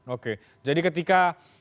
oke jadi ketika